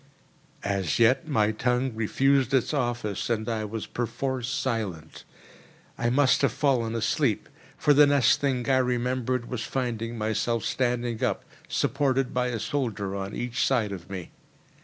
As yet my tongue refused its office, and I was perforce silent. I must have fallen asleep; for the next thing I remembered was finding myself standing up, supported by a soldier on each side of me.